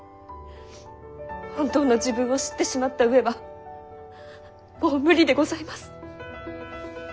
本当の自分を知ってしまった上はもう無理でございます。